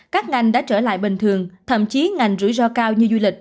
các ngành đã trở lại bình thường thậm chí ngành rủi ro cao như du lịch